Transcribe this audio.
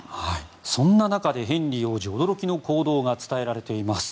そんな中でヘンリー王子驚きの行動が伝えられています。